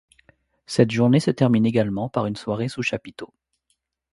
Cette journée se termine également par une soirée sous chapiteau.